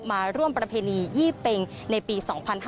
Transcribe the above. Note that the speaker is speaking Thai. มาร่วมประเพณียี่เป็งในปี๒๕๕๙